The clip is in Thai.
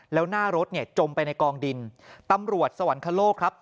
แล้วหน้ารถเนี่ยจมไปในกองดินตำรวจสวรรคโลกครับ